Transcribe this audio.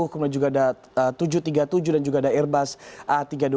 kemudian juga ada tujuh ratus tiga puluh tujuh dan juga ada airbus a tiga ratus dua puluh